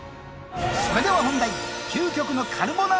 それでは本題！